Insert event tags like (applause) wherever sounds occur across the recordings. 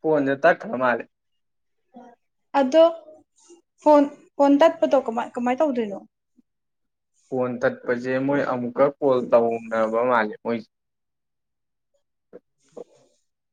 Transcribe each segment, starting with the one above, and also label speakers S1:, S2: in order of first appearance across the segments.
S1: ꯄꯨꯗ ꯇ ꯀꯔ ꯃꯥꯔꯦ
S2: ꯑꯗꯣ ꯐꯣꯟ ꯐꯣꯟ ꯇꯠꯄꯗꯣ ꯀꯃꯥꯏ ꯀꯃꯥꯏꯅ ꯇꯧꯗꯣꯏꯅꯣ
S1: ꯐꯣꯟ ꯇꯠꯄꯁꯦ ꯃꯣꯏ ꯑꯃꯨꯛꯀ ꯀꯣꯜ ꯇꯧꯅꯕ ꯃꯥꯜꯂꯦ ꯃꯣꯏꯁꯦ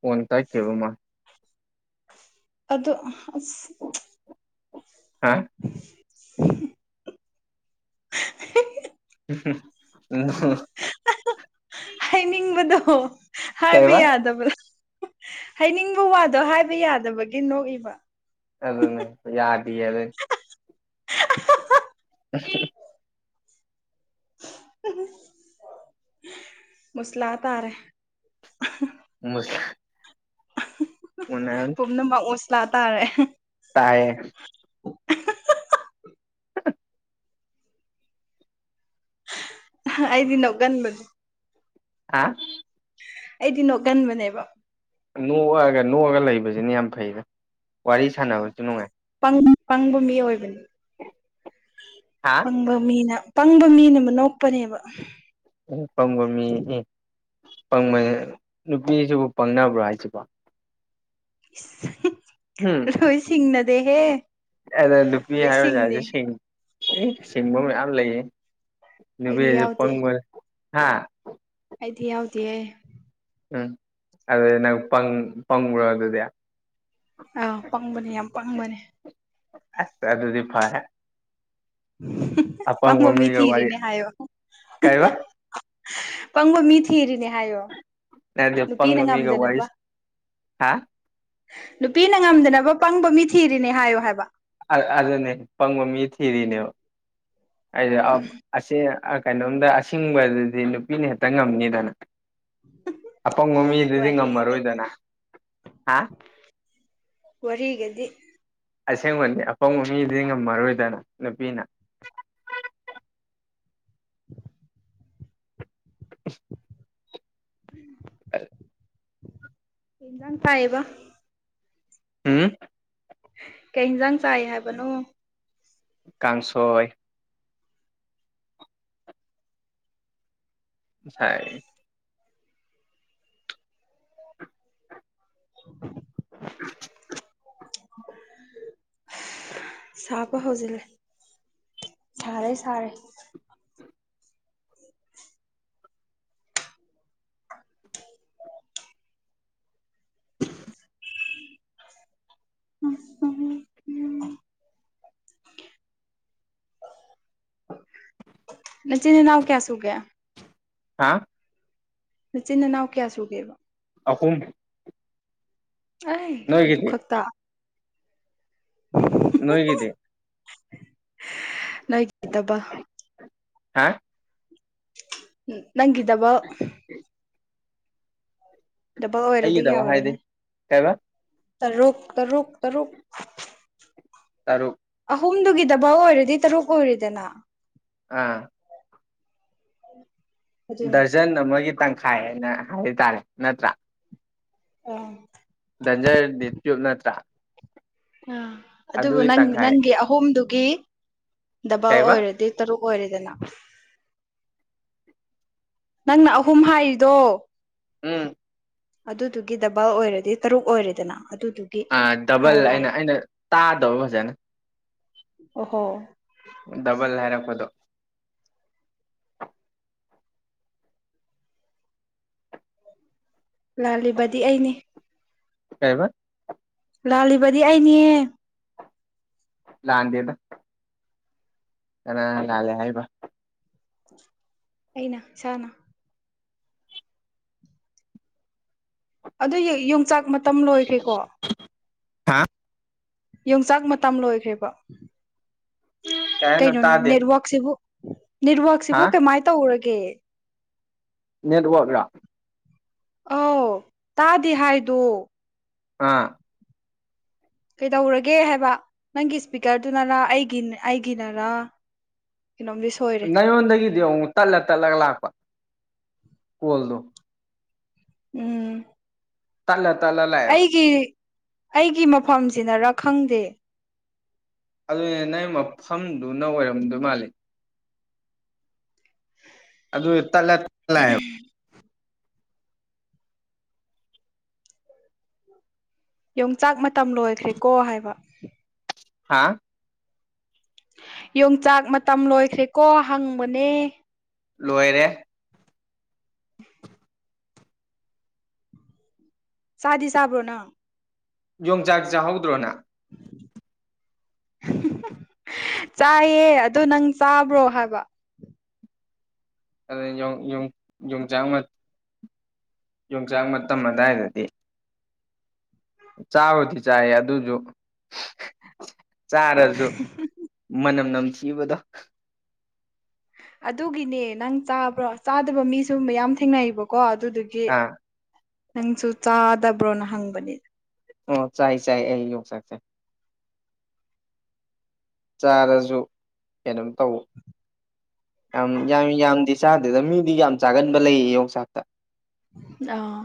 S1: ꯐꯣꯟ ꯇꯥꯏ ꯀꯔ ꯃꯥ
S2: ꯑꯗꯣ ꯑꯁ
S1: ꯍꯥ
S2: (unintelligible) (inaudible) (unintelligible) (inaudible)
S1: (unintelligible) (inaudible)
S2: ꯍꯥꯏꯅꯤꯡꯕꯗꯣ ꯍꯥꯏꯕ
S1: ꯀꯩꯕ
S2: ꯌꯥꯗꯕꯗꯣ ꯍꯥꯏꯅꯤꯡꯕ ꯋꯥꯗꯣ ꯍꯥꯏꯕ ꯌꯥꯗꯕꯒꯤ ꯅꯣꯛꯏꯕ
S1: ꯑꯗꯨ ꯑꯗꯨꯅꯦ ꯌꯥꯗ ꯑꯗꯨ
S2: (unintelligible) (inaudible)
S1: ꯑꯁ (unintelligible) (inaudible)
S2: ꯃꯨꯁꯂ ꯇꯥꯔꯦ
S1: ꯃꯁ
S2: ꯄꯨꯝꯅꯃꯛ ꯃꯁꯂꯥꯛꯇꯥꯥꯔꯦ
S1: ꯇꯑꯌꯦ
S2: ꯑꯩꯗꯤ ꯅ ꯀꯟꯕꯅꯤ
S1: ꯍꯥ
S2: ꯑꯩꯗꯤ ꯅꯣꯒꯟꯕꯅꯦꯕ
S1: ꯅꯣꯛꯑꯑꯒ ꯅꯣꯛꯑꯒ ꯂꯩꯕꯁꯤꯅ ꯌꯥꯝ ꯐꯩꯗ ꯋꯥꯔꯤ ꯁꯥꯟꯅꯕꯁꯨ ꯅꯨꯡꯉꯥꯏ
S2: ꯄꯪ ꯄꯪꯕ ꯃꯤ ꯑꯣꯏꯕꯅꯤ
S1: ꯍꯥ
S2: ꯄꯪꯕ ꯃꯤꯅ ꯄꯪꯕ ꯃꯤꯅ ꯅꯣꯛꯄꯅꯦꯕ
S1: ꯎ ꯄꯪꯒꯃꯤ ꯎꯝ ꯪ ꯅꯨꯄꯤꯁꯤꯕꯨ ꯄꯪꯅꯕ꯭ꯔꯣ ꯍꯥꯏꯁꯤꯕꯣ ꯍꯨꯝ
S2: ꯔꯣꯍꯤꯁꯤꯡꯅꯗꯦ ꯍꯦ
S1: ꯑꯗ ꯅꯨꯄꯤ ꯍꯥꯏꯔꯣꯖ ꯍꯥꯏꯁꯨꯦ ꯁꯤꯡ ꯁꯤꯡꯕ ꯃꯌꯥꯝ ꯂꯩꯌꯦ
S2: ꯑꯩꯗꯤ ꯌꯥꯎꯗꯦ
S1: ꯄꯪ ꯍꯥꯥ
S2: ꯑꯩꯗꯤ ꯌꯥꯎꯗꯦ
S1: ꯎꯝ ꯑꯗꯨ ꯅꯪ ꯄꯪꯉ꯭ꯔꯣ ꯑꯗꯨꯗꯤ
S2: ꯑꯥ ꯄꯪꯕꯅꯦ ꯌꯥꯝ ꯄꯪꯕꯅꯦ
S1: ꯑꯁ ꯑꯗꯨꯗꯤ ꯐꯔꯦ
S2: ꯄ
S1: ꯑꯄꯪꯕ
S2: ꯃꯃꯃꯤ
S1: ꯃꯤꯒ ꯋꯥꯔꯤ
S2: ꯊꯤꯔꯦꯅꯦ ꯍꯥꯏꯣ
S1: ꯀꯩꯕ
S2: ꯄꯪꯕ ꯃꯤꯊꯤ ꯏꯔꯤꯅꯦ
S1: ꯑꯗꯄ ꯅꯃꯤꯒꯧ ꯋꯥꯔꯤ
S2: ꯉꯝꯗꯅꯕ
S1: ꯋꯥꯔꯤꯁ ꯍꯥ
S2: ꯅꯨꯄꯤꯅ ꯉꯝꯗꯅꯕ ꯄꯪꯕ ꯃꯤ ꯊꯤꯔꯤꯅꯦ ꯍꯥꯏꯌꯣ ꯍꯥꯏꯕ
S1: ꯑꯗꯨꯅꯦ ꯄꯪꯕ ꯃꯤ ꯊꯤꯔꯤꯅꯦꯕ ꯑꯩꯗꯤ ꯑꯁꯤ ꯀꯩꯅꯣꯝꯗ ꯑꯁꯤꯡꯕꯗꯨꯗꯤ ꯅꯨꯄꯤꯅ ꯍꯦꯛꯇ ꯉꯝꯅꯤꯗꯅꯠꯇꯦ ꯑꯄꯪꯕ ꯃꯤꯗꯨꯗꯤ
S2: ꯋꯥꯔꯤꯒꯗꯤ
S1: ꯉꯝꯃꯔꯣꯏꯗꯅ ꯍꯥ
S2: ꯋꯥꯔꯒꯗꯤ
S1: ꯑꯁꯦꯡꯕꯗꯤ ꯑꯄꯪꯕ ꯃꯤꯗꯤ ꯉꯝꯃꯔꯣꯏꯗꯅ ꯅꯨꯄꯤꯅ
S2: (unintelligible)
S1: (unintelligible) ꯑ
S2: ꯌꯦꯖꯅ ꯄꯌꯦꯕ
S1: ꯎꯝ
S2: ꯀꯩ ꯌꯦꯟꯁꯥꯡ ꯆꯥꯏ ꯍꯥꯏꯕꯅꯣ
S1: ꯀꯥꯡꯥꯟꯁꯣꯏ ꯁ
S2: (unintelligible)
S1: (unintelligible)
S2: ꯁꯥꯄ ꯍꯧꯖꯤꯜꯂꯦ ꯁꯥꯔꯦ ꯁꯥꯔꯦ ꯑ ꯎꯝ ꯅꯆꯤꯅꯤꯅꯥꯎ ꯀꯌꯥ ꯁꯨ ꯀꯌꯥ
S1: ꯍꯥ
S2: ꯃꯆꯤꯟ ꯅꯅꯥꯎ ꯀꯌꯥ ꯁꯨꯒꯦꯕ
S1: ꯑꯍꯨꯝ
S2: ꯑ ꯇꯨ
S1: ꯅꯣꯏꯒꯤꯗꯤ
S2: ꯐꯛꯇ
S1: ꯅꯣꯏꯣꯏꯒꯗꯦ
S2: ꯅꯒ ꯇꯕ
S1: ꯍꯥ
S2: ꯅꯪꯒꯗꯕ ꯗꯕꯜ ꯑꯣꯏꯔꯗꯤ
S1: ꯑꯩꯒꯤꯗꯃꯛ ꯍꯥꯏꯗꯤ
S2: ꯌꯥꯎꯔꯅꯤ
S1: ꯀꯩꯕ
S2: ꯇꯔꯨꯛ ꯇꯔꯨꯛ ꯇꯔꯨꯛ
S1: ꯇꯔꯨꯛ
S2: ꯑꯍꯨꯝꯗꯨꯒꯤꯗꯐꯥꯎ ꯑꯣꯏꯔꯗꯤ ꯇꯔꯨꯛ ꯑꯣꯏꯔꯤꯗꯅ
S1: ꯑꯥ
S2: ꯑꯗꯨꯅꯦ
S1: ꯗꯔꯖꯟ ꯑꯃꯒꯤ ꯇꯪꯈꯥꯏ ꯍꯥꯏꯅ ꯍꯥꯏ ꯇꯔꯦ ꯅꯠꯇ꯭ꯔꯥ
S2: ꯑ
S1: ꯙꯟꯖꯔ ꯨ ꯅꯠꯇ꯭ꯔꯥ
S2: ꯑꯥ ꯑꯗꯨꯕꯨ
S1: ꯑꯗꯨꯒꯤ
S2: ꯅꯪ
S1: ꯇꯪꯈꯥꯏ
S2: ꯅꯪꯒꯤ ꯑꯍꯨꯝꯗꯨꯒꯤ ꯗꯕꯜ
S1: ꯀꯩꯕ
S2: ꯑꯣꯏꯔꯗꯤ ꯇꯔꯨꯛ ꯑꯣꯏꯔꯗꯅ ꯅꯪꯅ ꯑꯍꯨꯝ ꯍꯥꯏꯔꯤꯗꯣ
S1: ꯎꯝ
S2: ꯑꯗꯨꯗꯨꯒꯤ ꯗꯕꯜ ꯑꯣꯏꯔꯗꯤ ꯇꯔꯨꯛ ꯑꯣꯏꯔꯦꯗꯅ ꯑꯗꯨꯗꯨꯒꯤ
S1: ꯑ ꯗꯕꯜ
S2: ꯍꯥꯏꯔꯤꯅꯦ
S1: ꯑꯩꯅ ꯑꯩꯅ ꯇꯥꯗꯕ ꯐꯖꯅ
S2: ꯑꯣꯍꯣ
S1: ꯗꯕꯜ ꯍꯥꯏꯔꯛꯄꯗꯣ
S2: ꯂꯥꯜꯂꯤꯕꯗꯤ ꯑꯩꯅꯦ
S1: ꯀꯩꯕ
S2: ꯂꯥꯜꯂꯤꯕꯗꯤ ꯑꯩꯅꯦꯍꯦ
S1: ꯂꯥꯟꯗꯗ ꯀꯅꯥ ꯂꯥꯜꯂꯦ ꯍꯥꯏꯕ
S2: ꯑꯩꯅ ꯆꯥꯅꯥ ꯑꯗꯨ ꯌꯣꯡꯆꯥꯛ ꯃꯇꯝ ꯂꯣꯏꯈ꯭ꯔꯦꯀꯣ
S1: ꯍꯥꯥ
S2: ꯌꯣꯡꯆꯥꯛ ꯃꯇꯝ ꯂꯣꯏꯈ꯭ꯔꯦꯕ
S1: ꯀꯩ ꯍꯥꯏꯅꯣ
S2: ꯀꯩꯅꯩꯅꯣ
S1: ꯇꯥꯗꯦ
S2: ꯅꯦꯔꯋꯥꯣꯣꯛꯁꯁꯤꯕꯨ ꯅꯦꯠꯋꯔꯛꯁꯤꯕꯨ
S1: ꯍꯥ
S2: ꯀꯃꯥꯏꯅ ꯇꯧꯔꯒꯦ
S1: ꯅꯦꯠꯋꯔꯛ
S2: ꯑ ꯇꯥꯗꯤꯦ ꯍꯥꯏꯗꯨ
S1: ꯑꯥ
S2: ꯀꯩꯗꯧꯔꯒꯦ ꯍꯥꯏꯕ ꯅꯪꯒꯤ ꯏꯁꯄꯤꯀꯔꯗꯨꯅꯔ ꯑꯩꯒꯤ ꯑꯩꯒꯤꯅꯔ
S1: (inaudible)
S2: ꯀꯩꯅꯣꯝꯗꯤ ꯁꯣꯏꯔꯦ
S1: ꯅꯉꯣꯟꯗꯒꯤꯗꯤ ꯑꯃꯨꯛ ꯇꯠꯂ ꯇꯠꯂꯒ ꯂꯥꯛꯄ ꯀꯣꯜꯗꯣ
S2: ꯎꯝ
S1: ꯇꯜꯂ
S2: ꯑꯩꯒꯤ ꯑꯩꯒꯤ ꯃꯐꯝꯁꯤꯅꯔꯥ ꯈꯪꯗꯦ
S1: ꯑꯗꯨꯅꯤ ꯅꯪ ꯃꯐꯝꯗꯨꯅ ꯑꯣꯏꯔꯝꯗꯣꯏ ꯃꯥꯜꯂꯤ ꯑꯗꯨꯗ ꯑꯦꯠꯇꯂꯂ
S2: ꯌꯣꯡꯆꯥꯛ ꯃꯇꯝ ꯂꯣꯏꯈ꯭ꯔꯦꯀꯣ ꯍꯥꯏꯕ
S1: ꯍꯥꯥ
S2: ꯌꯣꯡꯆꯥꯛ ꯃꯇꯝ ꯂꯣꯏꯈ꯭ꯔꯦꯀꯣ ꯍꯪꯕꯅꯦ
S1: ꯂꯣꯏꯔꯦ
S2: (inaudible) ꯁꯥꯗꯤ ꯁꯥꯕ꯭ꯔꯣꯅ
S1: ꯌꯣꯡꯆꯥꯛ ꯆꯥꯍꯧꯗ꯭ꯔꯣꯅ (inaudible)
S2: ꯆꯥꯏꯌꯦ ꯑ ꯅꯪ ꯆꯥꯕ꯭ꯔꯣ ꯍꯥꯏꯕ
S1: ꯑ ꯌ ꯌ ꯌ ꯆ ꯌꯣꯡꯆꯥꯛ ꯃꯇꯝ ꯑꯗꯨꯗꯥꯏꯗꯗꯤ ꯆꯥꯕꯣ ꯊ ꯆ ꯌꯥ ꯑꯗꯨꯖ ꯆꯥꯔꯁꯨ ꯃꯅꯝ ꯅꯝꯊꯤꯕꯗꯣ
S2: ꯑꯗꯨꯒꯤꯅꯦ ꯅꯪ ꯆꯥꯕ꯭ꯔꯣ ꯆꯥꯗꯕ ꯃꯤꯁꯨꯒꯨꯝꯕ ꯌꯥꯝ ꯊꯦꯡꯅꯕꯀꯣ ꯑꯗꯨꯗꯨꯒꯤ
S1: ꯑꯥ
S2: ꯅꯪꯁꯨ ꯆꯥꯗꯕ꯭ꯔꯣꯅ ꯍꯪꯕꯅꯤ
S1: ꯑꯣ ꯆꯥꯏ ꯆꯥꯏ ꯑꯩ ꯌꯧ ꯆꯁꯦ ꯆꯥꯔꯁꯨ ꯀꯩꯅꯣꯝ ꯇꯧꯋ ꯌꯥꯝ ꯌꯥꯝ ꯌꯥꯝꯗꯤ ꯆꯥꯗꯦꯗ ꯃꯤꯗꯤ ꯌꯥꯝ ꯆꯥꯒꯟꯕ ꯂꯩꯌꯦ ꯌꯣꯡꯆꯥꯛꯇ
S2: ꯑꯥ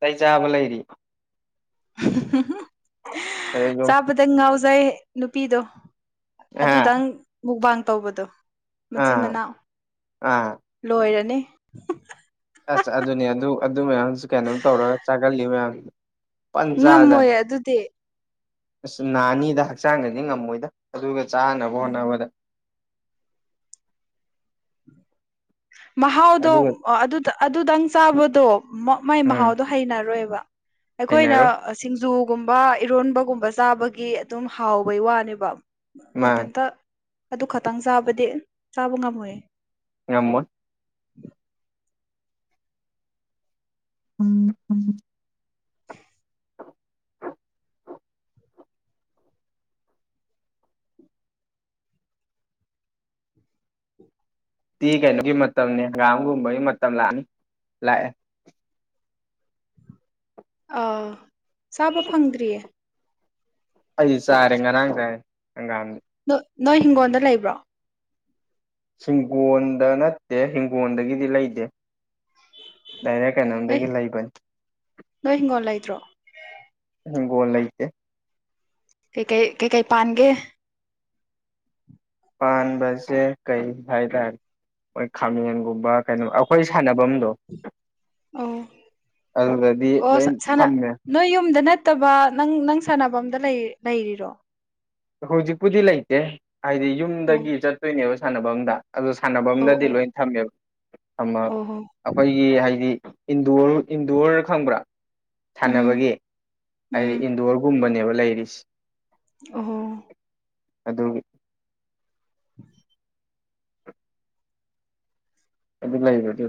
S1: ꯇꯩ ꯆꯥꯕ ꯂꯩꯔꯤ ꯑꯗꯨ
S2: ꯆꯥꯕꯗꯪ ꯉꯥꯎꯖꯩ ꯅꯨꯄꯤꯗꯣ
S1: ꯑꯥ
S2: ꯑꯗꯨꯗꯪ ꯃꯨꯛꯕꯥꯡ ꯇꯧꯕꯗꯣ ꯃꯆꯤꯟ
S1: ꯑꯥ
S2: ꯃꯅꯥꯎ
S1: ꯑꯥ
S2: ꯂꯣꯏꯔꯅꯤ
S1: ꯑꯁ ꯑꯗꯨꯅꯦ ꯑꯗꯨ ꯑꯗꯨ ꯃꯌꯥꯝ ꯀꯩꯅꯣ ꯇꯧꯔꯒ ꯆꯥꯒꯜꯂꯤ ꯃꯌꯥꯝ ꯄꯟ ꯆꯥꯖꯥꯠ
S2: ꯉꯝꯃꯣꯏ ꯑꯗꯨꯗꯤ
S1: ꯑꯁ ꯅꯍꯥ ꯑꯅꯤꯗ ꯍꯛꯆꯥꯡꯗꯗꯤ ꯉꯝꯃꯣꯏꯗ ꯑꯗꯨꯒ ꯆꯥꯅꯕ
S2: ꯎꯝ
S1: ꯍꯣꯠꯅꯕꯗ
S2: ꯃꯍꯥꯎꯗꯣ
S1: ꯑꯗꯨꯒ
S2: ꯑꯗꯨꯗꯪ ꯆꯥꯕꯗꯣ ꯃꯥꯏ
S1: ꯎꯝ
S2: ꯃꯍꯥꯎꯗꯣ ꯍꯩꯅꯔꯣꯏꯕ ꯑꯩꯈꯣꯏꯅ
S1: ꯍꯩꯅꯔꯣꯏ
S2: ꯁꯤꯡꯖꯨ ꯨꯝꯕ ꯏꯔꯣꯟꯕꯒꯨꯝꯕ ꯆꯥꯕꯒꯤ ꯑꯗꯨꯝ ꯍꯥꯎꯕꯩ ꯋꯥꯅꯦꯕ
S1: ꯃꯥ
S2: ꯃꯊꯟꯇ ꯑꯗꯨ ꯈꯇꯪ ꯆꯥꯕꯗꯤ ꯆꯥꯕ ꯉꯝꯃꯣꯏ
S1: ꯌꯥꯝꯝꯃꯣꯟ ꯎꯝ ꯎꯝ ꯇꯤ ꯀꯩꯅꯣꯒꯤ ꯃꯇꯝꯅꯤ ꯍꯪꯒꯥꯝꯒꯨꯝꯕꯒꯤ ꯃꯇꯝ ꯂꯥꯛꯑꯅꯤ ꯂꯥꯛꯑꯦ
S2: ꯑꯥ ꯆꯥꯕ ꯐꯪꯗ꯭ꯔꯤꯌꯦ
S1: ꯑꯩ ꯁꯔꯦꯡ ꯉꯔꯥꯡꯒꯒꯥꯟꯗ
S2: ꯅꯣꯏ ꯍꯤꯡꯒꯣꯜꯗ ꯂꯩꯕ꯭ꯔꯣ
S1: ꯍꯤꯡꯒꯣꯟꯗ ꯅꯠꯇꯦ ꯍꯤꯡꯒꯣꯜꯗꯒꯤꯗꯤ ꯂꯩꯇꯦ ꯗꯥꯏꯅ
S2: ꯅꯣꯏ
S1: ꯀꯩꯅꯣꯝꯗꯒꯤ ꯂꯩꯕꯅꯤ
S2: ꯀꯨꯇ꯭ꯔꯣ
S1: ꯒꯣꯜ ꯏꯇꯦ
S2: ꯀꯩ ꯀꯩ ꯀꯩ ꯀꯩ ꯄꯥꯟꯒꯦ
S1: ꯄꯕꯁꯦ ꯀꯩ ꯍꯥꯏꯥꯏ ꯊꯔ ꯍꯣꯏ ꯈꯥꯃꯦꯟꯒꯨꯝꯕ ꯀꯩꯅꯣ ꯑꯩꯈꯣꯏ ꯁꯥꯟꯅꯐꯝꯗꯣ ꯑꯗꯨꯗꯗꯤ
S2: ꯑꯣ
S1: ꯂꯣꯏ
S2: ꯑꯣ
S1: ꯊꯝꯃꯦ
S2: ꯅꯣꯏ ꯌꯨꯝꯗꯅ ꯅꯠꯇꯕ ꯅꯪ ꯅꯪ ꯁꯥꯟꯅꯕꯗ ꯂꯩꯔꯤꯔꯣ
S1: ꯍꯧꯖꯤꯛꯄꯨꯗꯤ ꯂꯩꯇꯦ ꯍꯥꯏꯗꯤ
S2: ꯑꯣ
S1: ꯌꯨꯝꯗꯒꯤ ꯆꯠꯇꯣꯏꯅꯦꯕ ꯁꯥꯟꯅꯕ ꯑꯝꯗ ꯑꯗꯨꯗ ꯁꯥꯟꯅꯕ
S2: ꯑꯣ
S1: ꯑꯝꯗꯗꯤ
S2: ꯑꯣ
S1: ꯂꯣꯏ ꯊꯝꯃꯦꯕ ꯊꯝꯃ
S2: ꯑꯣ ꯍꯣ
S1: ꯑꯩꯈꯣꯏꯒꯤ ꯍꯥꯏꯗꯤ ꯟꯗ ꯏꯟꯗꯣꯔ ꯈꯪꯕ꯭ꯔꯥ
S2: ꯎꯝ
S1: ꯁꯥꯟꯅꯕꯒꯤ ꯍꯥꯏꯗꯤ
S2: ꯎꯝ
S1: ꯏꯟꯗꯣꯔꯒꯨꯝꯕꯅꯦꯕ ꯂꯩꯔꯤꯁ
S2: ꯑꯣ
S1: ꯑꯗꯨꯒꯤ
S2: ꯎꯝ
S1: ꯑꯗꯨ ꯂꯩꯗꯤ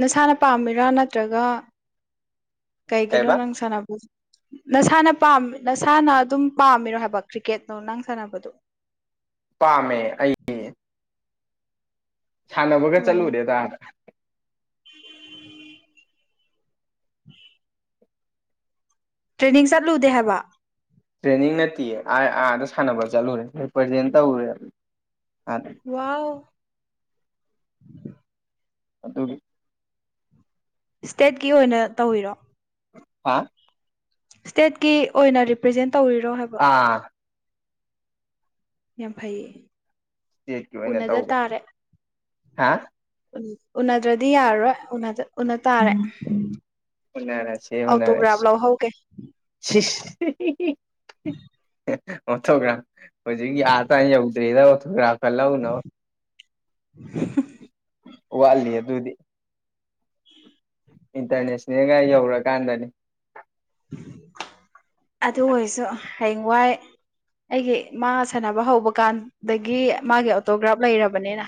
S2: ꯅꯁꯥꯅ ꯄꯥꯝꯃꯤꯔꯥ ꯅꯠꯇ꯭ꯔꯒ ꯀꯩꯒꯤꯅꯣ
S1: ꯀꯩꯕ
S2: ꯅꯪ ꯁꯥꯟꯅꯕ ꯅꯁꯥꯅ ꯅꯁꯥꯅ ꯑꯗꯨꯝ ꯄꯥꯝꯃꯤꯔꯣ ꯍꯥꯏꯕ ꯀ꯭ꯔꯤꯀꯦꯠꯅꯣ ꯅꯪ ꯁꯥꯟꯅꯕꯗꯣ
S1: ꯄꯥꯝꯃꯦ ꯑꯩ ꯁꯥꯟꯅꯕꯒ ꯆꯠꯂꯨꯔꯨꯔꯦꯗ
S2: ꯎ ꯇ꯭ꯔꯦꯅꯤꯡ ꯆꯠꯂꯨꯗꯦ ꯍꯥꯏꯕ
S1: ꯇ꯭ꯔꯦꯅꯤꯡ ꯅꯠꯇꯦ ꯑ ꯑꯥꯗ ꯁꯥꯟꯅꯕ ꯆꯠꯂꯨꯔꯦ ꯔꯤꯄ꯭ꯔꯖꯦꯟ ꯇꯧꯔꯨꯔꯦ
S2: ꯋꯥꯎ
S1: ꯑꯗꯨ ꯑꯗꯨ
S2: ꯏꯁꯇꯦꯠꯀꯤ ꯑꯣꯏꯅ ꯇꯧꯕꯋꯔꯣ
S1: ꯍꯥ
S2: ꯁ꯭ꯇꯦꯠꯀꯤ ꯑꯣꯏꯅ ꯔꯤꯄ꯭ꯔꯖꯦꯟ ꯇꯧꯔꯤꯔꯣ ꯍꯥꯏꯕ
S1: ꯑꯥ
S2: ꯌꯥꯝ ꯐꯩꯌꯦ
S1: ꯏꯁꯇꯦꯠꯀꯤ ꯑꯣꯏꯅ
S2: ꯎꯅꯗ
S1: ꯇꯧꯕ
S2: ꯇꯥꯔꯦ
S1: ꯍꯥ
S2: ꯎꯅꯗ꯭ꯔꯗꯤ ꯌꯥꯔꯔꯣꯏ ꯎꯅꯗ ꯎꯅ ꯇꯥꯔꯦ
S1: ꯎꯅꯔꯁꯦ ꯎꯅꯔꯁꯦ
S2: ꯑꯣꯇꯣꯒ꯭ꯔꯥꯐ ꯂꯧꯍꯧꯒꯦ
S1: ꯑꯣꯇꯣꯒ꯭ꯔꯥꯕ ꯍꯧꯖꯤꯛꯀꯤ ꯑꯥꯇꯥ ꯌꯧꯗ꯭ꯔꯤꯗ ꯒ꯭ꯔꯥꯛꯀ ꯂꯧꯎꯅ ꯋꯥꯠꯂꯤ ꯑꯗꯨꯗꯤ ꯏꯟꯇꯔꯅꯦꯁꯅꯦꯜꯒ ꯌꯧꯔꯀꯥꯟꯗꯅꯦ (inaudible)
S2: ꯑꯗꯨ ꯑꯣꯏꯔꯁꯨ ꯍꯌꯦꯡꯋꯥꯏ ꯑꯩꯒꯤ ꯃꯥ ꯁꯥꯟꯅꯕ ꯍꯧꯕ ꯀꯥꯟꯗꯒꯤ ꯃꯥꯒꯤ ꯑꯣꯇꯣꯒ꯭ꯔꯥꯐ ꯂꯩꯔꯕꯅꯤꯅ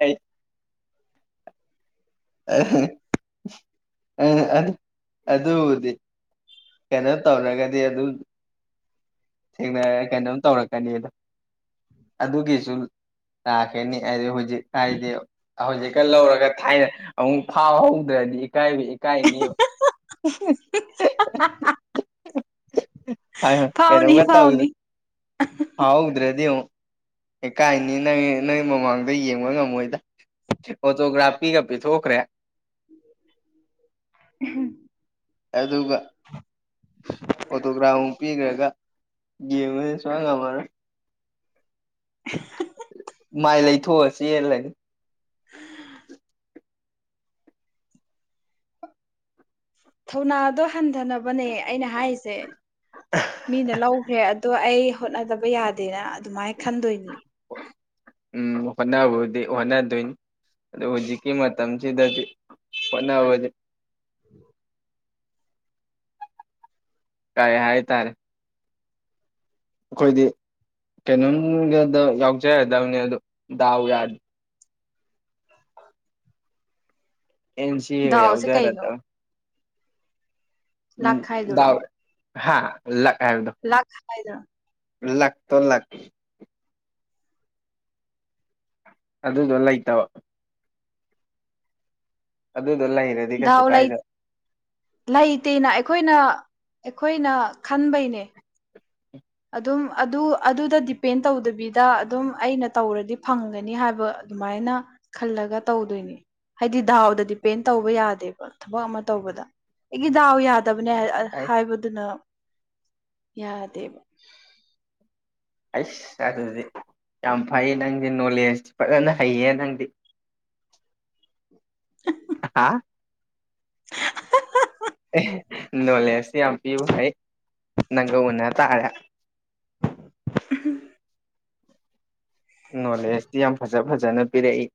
S1: ꯑꯩ ꯑꯗꯨꯕꯨꯗꯤ ꯀꯩꯅꯣ ꯇꯧꯔꯒꯗꯤ ꯑꯗꯨ ꯊꯦꯡꯅꯔꯒ ꯀꯩꯅꯣꯝ ꯇꯧꯔꯛꯀꯅꯤ ꯑꯗꯣ ꯑꯗꯨꯒꯤꯁꯨ ꯂꯥꯛꯀꯅꯤ ꯍꯥꯏ ꯍꯧꯖꯤꯛ ꯍꯥꯏꯗꯤ ꯍꯧꯖꯤꯛꯀ ꯂꯧꯔꯒ ꯊꯥꯏꯅ ꯑꯃꯨꯛ ꯐꯥꯎꯍꯧꯗ꯭ꯔꯗꯤ ꯀꯥꯏ ꯏꯀꯥꯏꯅꯤꯕ ꯍꯣꯏ
S2: ꯐꯥꯎꯅꯤ
S1: ꯀꯩꯅꯣꯃ ꯇꯧꯗ
S2: ꯐꯥꯎꯅꯤ
S1: ꯐꯥꯎꯍꯧꯗ꯭ꯔꯗꯤ ꯑꯃꯨꯛ ꯀꯥꯏꯅꯤ ꯅꯪ ꯅꯣꯏ ꯃꯃꯥꯡꯗ ꯌꯦꯡꯕ ꯉꯝꯃꯣꯏꯗ ꯑꯣꯇꯣꯒ꯭ꯔꯥꯐ ꯄꯤꯒ ꯄꯤꯊꯣꯛꯈ꯭ꯔꯦ
S2: ꯎ (unintelligible)
S1: ꯑꯗꯨꯒ ꯑꯣꯇꯣꯒ꯭ꯔꯥꯐꯃꯨ ꯄꯤꯈ꯭ꯔꯒ ꯌꯦꯡꯉꯅꯤ ꯁꯨꯡ ꯉꯝ ꯉꯝꯃꯔꯣꯏ ꯃꯥꯏ ꯂꯩꯊꯣꯛꯑ ꯆꯦꯜꯂꯦ
S2: (inaudible) ꯊꯧꯅ ꯗꯣ ꯊꯟꯊꯅꯕꯅꯦ ꯑꯩꯅ ꯍꯥꯏꯔꯤꯁꯦ ꯃꯤꯅ ꯂꯧꯈ꯭ꯔꯦ ꯑꯗꯣ ꯑꯩ ꯍꯣꯠꯅꯗꯕ ꯌꯥꯗꯦꯅ ꯑꯗꯨꯃꯥꯏꯅ ꯈꯟꯗꯣꯏꯅꯤ
S1: ꯎꯝ ꯍꯣꯠꯅꯕꯨꯗꯤ ꯍꯣꯠꯅꯗꯣꯏꯅꯤ ꯑꯗꯨ ꯍꯧꯖꯤꯛꯀꯤ ꯃꯇꯝꯁꯤꯗꯗꯤ ꯍꯣꯠꯅꯕꯁꯦ ꯀꯥꯏ ꯍꯥꯏ ꯇꯥꯔꯦ ꯑꯩꯈꯣꯏꯗꯤ ꯀꯩꯅꯣꯝꯒꯗ ꯌꯥꯎꯖꯔꯗꯕꯅꯦ ꯑꯗꯨ ꯗꯥꯎ ꯌꯥ ꯑꯦꯟ ꯁꯤ ꯑꯧ
S2: ꯗꯥꯎꯁꯦ ꯀꯩꯅꯣ
S1: ꯌꯥꯎꯖꯔꯗꯝ
S2: ꯂꯥꯛ ꯈꯥꯏꯗꯨꯔꯣ
S1: ꯍꯥꯥ ꯂꯛ
S2: ꯂꯥꯛ ꯍꯥꯏꯗꯣ
S1: ꯂꯥꯛꯇꯣ ꯂꯛ ꯑꯗꯨꯗꯣ ꯂꯩꯇꯕ ꯑꯗꯨꯗꯣ ꯂꯩꯔꯗꯤ ꯀꯩꯁꯨ
S2: ꯗꯥꯎ ꯂꯩ
S1: ꯀꯥꯏꯗꯕ
S2: ꯂꯩꯇꯦꯅ ꯑꯩꯈꯣꯏꯅ ꯑꯩꯈꯣꯏꯅ ꯈꯟꯕꯩꯅꯦ ꯑꯗꯨꯝ ꯑꯗꯨ ꯑꯗꯨꯗ ꯗꯤꯄꯦꯟ ꯇꯧꯗꯕꯤꯗ ꯑꯗꯨꯝ ꯑꯩꯅ ꯇꯧꯔꯗꯤ ꯐꯪꯒꯅꯤ ꯍꯥꯏꯕ ꯑꯗꯨꯃꯥꯏꯅ ꯈꯜꯂꯒ ꯇꯧꯗꯣꯏꯅꯤ ꯍꯥꯏꯗꯤ ꯗꯥꯎꯗ ꯗꯤꯄꯦꯟ ꯇꯧꯕ ꯌꯥꯗꯦꯕ ꯊꯕꯛ ꯑꯃ ꯇꯧꯕꯗ ꯑꯩꯒꯤ ꯗꯥꯎ ꯌꯥꯗ ꯇꯕꯅꯦ ꯍꯥꯢ
S1: ꯑꯩꯁ
S2: ꯍꯥꯏꯕꯗꯨꯅ ꯌꯥꯗꯦꯕ
S1: ꯑꯩꯁ ꯑꯗꯨꯗꯤ ꯌꯥꯝ ꯐꯩ ꯅꯪꯗꯤ ꯅꯣꯂꯦꯖ ꯐꯖꯅ ꯍꯩꯌꯦ ꯅꯪꯗꯤ (inaudible) ꯍꯥ ꯑꯦ ꯅꯣꯂꯦꯁ ꯌꯥꯝ ꯄꯤꯕ ꯍꯩ ꯅꯪꯒ ꯎꯟꯅ ꯇꯥꯔꯦ
S2: (inaudible)
S1: ꯅꯣꯂꯦꯁꯇꯤ ꯌꯥꯝ ꯐꯖ ꯐꯖꯅ ꯄꯤꯔꯛꯏ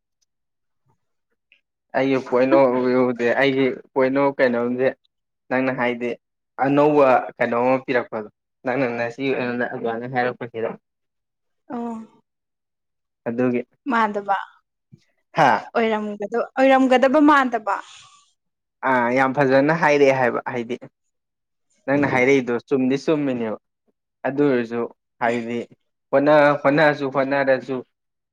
S1: ꯑꯩꯒꯤ ꯄꯣꯏꯟ ꯑꯣꯐ ꯚꯤꯌꯨꯗꯤ ꯑꯩꯒꯤ ꯄꯣꯏꯟ ꯑꯣꯐ ꯀꯩꯅꯣꯗꯤ ꯅꯪꯅ ꯍꯥꯏꯗꯤ ꯑꯅꯧꯕ ꯀꯩꯅꯣꯝ ꯑꯃ ꯄꯤꯔꯛꯄꯗꯣ ꯅꯪꯅ ꯉꯁꯤ ꯑꯣꯏꯅ ꯑꯗꯨꯃꯥꯏꯅ ꯍꯥꯏꯔꯛꯄꯁꯤꯗ꯫
S2: ꯑꯣ
S1: ꯑꯗꯨꯒꯤ
S2: ꯃꯥꯟꯗꯕ
S1: ꯍꯥ
S2: ꯑꯣꯏꯔꯝ ꯑꯣꯏꯔꯝꯒꯗꯕ ꯃꯥꯟꯗꯕ
S1: ꯑꯥ ꯌꯥꯝ ꯐꯖꯅ ꯍꯥꯏꯔꯛꯑꯦ ꯍꯥꯏꯕ ꯍꯥꯏꯗꯤ ꯅꯪꯅ ꯍꯥꯏꯔꯛꯏꯗꯣ ꯆꯨꯝꯗꯤ ꯆꯨꯝ ꯆꯨꯝꯃꯤꯅꯦꯕ ꯑꯗꯨ ꯑꯣꯏꯔꯁꯨ ꯍꯥꯏꯗꯤ ꯍꯣꯠꯅꯥ ꯍꯣꯠꯅꯥꯁꯨ ꯍꯣꯠꯅꯔꯦꯁꯨ